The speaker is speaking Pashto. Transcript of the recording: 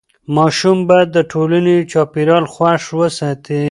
ماشوم باید د ټولګي چاپېریال خوښ وساتي.